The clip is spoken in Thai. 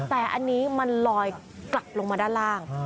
แต่อันนี้มันลอยกลับลงมาด้านล่าง